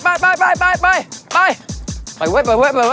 ไปเว้ย